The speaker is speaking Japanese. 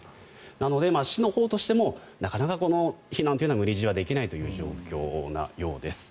なので市のほうとしてもなかなか避難は無理強いはできない状況のようです。